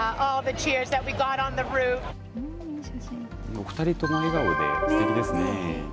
お２人とも笑顔ですてきですね。